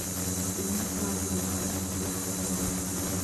Ffena twakeberebwa ku mulyango.